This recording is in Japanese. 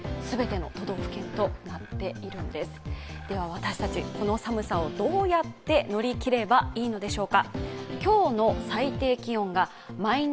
私たち、この寒さをどうやって乗り切ればいいのでしょうか。